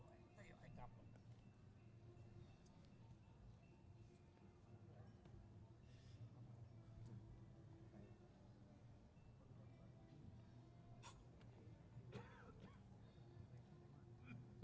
อันนี้ก้าวขอทดลองรับทราบทุกวันนี้